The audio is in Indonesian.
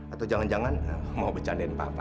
atau jangan jangan mau becandain papa ya